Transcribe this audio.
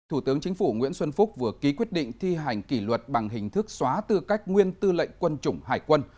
thủ tướng chính phủ nguyễn xuân phúc vừa ký quyết định thi hành kỷ luật bằng hình thức xóa tư cách nguyên tư lệnh quân chủng hải quân